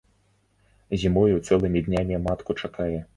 Зімою цэлымі днямі матку чакае.